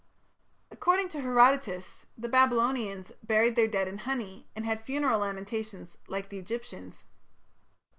According to Herodotus the Babylonians "buried their dead in honey, and had funeral lamentations like the Egyptians".